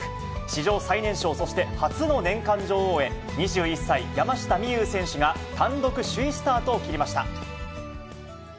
史上最年少、そして初の年間女王へ、２１歳、山下美夢有選手が単独首位スタートを切りました。